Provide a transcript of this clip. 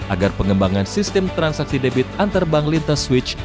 agar pengembangan sistem transaksi debit antar bank lintas switch